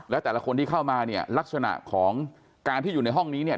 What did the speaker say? แล้วแต่ละคนที่เข้ามาเนี่ยลักษณะของการที่อยู่ในห้องนี้เนี่ย